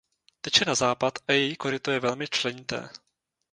Teče na západ a její koryto je velmi členité.